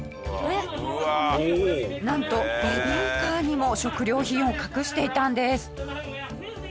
なんとベビーカーにも食料品を隠していたんです。